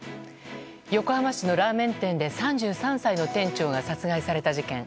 横浜市のラーメン店で３３歳の店長が殺害された事件。